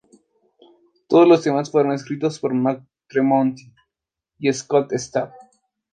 Todos los temas fueron escritos por Mark Tremonti y Scott Stapp.